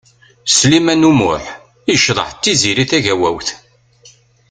Sliman U Muḥ yecḍeḥ d Tiziri Tagawawt.